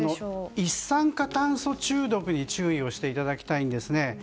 一酸化炭素中毒に注意をしていただきたいです。